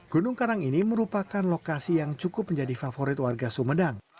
gunung karang ini merupakan lokasi yang cukup menjadi favorit warga sumedang